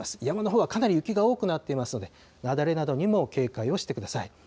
山のほうはかなり雪が多くなっていますので、雪崩などにも警戒をしてください。